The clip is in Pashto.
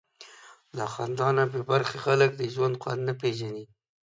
له خندا نه بېبرخې خلک د ژوند خوند نه پېژني.